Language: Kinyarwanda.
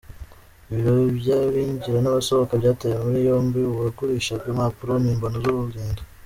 Ibiro by’abinjira n’abasohoka byataye muri yombi uwagurishaga impapuro mpimbano zurugendo